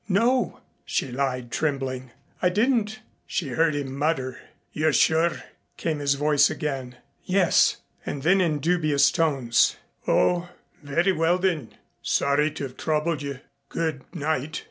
"No," she lied, trembling. "I didn't." She heard him mutter. "You're sure?" came his voice again. "Yes." And then in dubious tones: "Oh, very well then. Sorry to have troubled you. Good night."